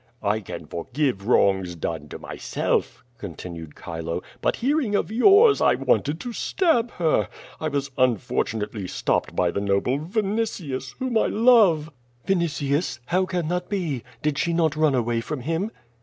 "I can forgive wrongs done to myself,'* continued Chile, 'Tbut hearing of yours, I wanted to stab her. I was unfor tunately stopped by the noble Vinitius, whom I love." "Vinitius? How can that be? Did she not run away from him?"